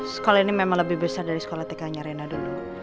sekolah ini memang lebih besar dari sekolah tk nya rena dulu